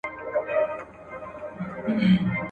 زه کرار درنیژدې کېږم له تنې دي بېلومه ..